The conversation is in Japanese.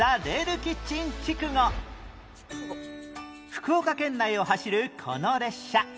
福岡県内を走るこの列車